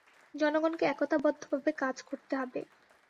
জনগণকে একতাবদ্ধভাবে কাজ করতে হবে।